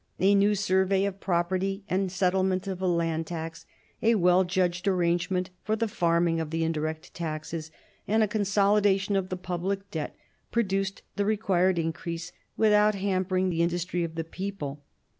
A new survey of property and settlement of a land ""/ tax, a well judged arrangement for the farming of the indirect taxes, and a consolidation of the public debt produced the required increase without hampering the '"'""\ industry of the people.